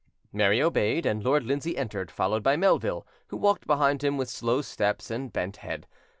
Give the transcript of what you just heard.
Mary obeyed, and Lord Lindsay entered, followed by Melville, who walked behind him, with slow steps and bent head.